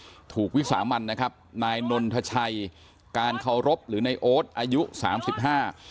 สุดท้ายคนก่อเหตุถูกวิสาห์มันนะครับนายนนทชัยการเคารพหรือในโอ๊ตอายุสามสิบห้า